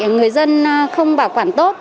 người dân không bảo quản tốt